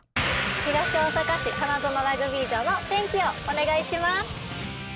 東大阪市花園ラグビー場の天気をお願いします。